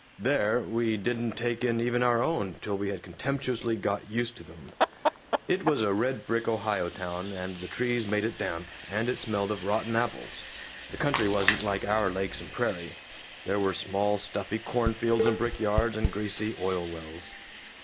There, we didn't take in even our own till we had contemptuously got used to them. It was a red brick Ohio town, and the trees made it damp, and it smelled of rotten apples. The country wasn't like our lakes and prairie. There were small stuffy corn fields and brick yards and greasy oil wells.